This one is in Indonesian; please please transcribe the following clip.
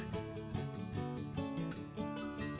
sedikit lebih sedikit lebih